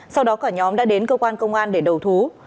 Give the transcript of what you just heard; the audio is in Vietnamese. sau đó cả nhóm đã đến cơ quan công an để đầu thú